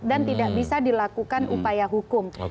dan tidak bisa dilakukan upaya hukum